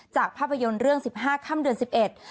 จากภาพยนตร์เรื่อง๑๕ข้ามเดือน๑๑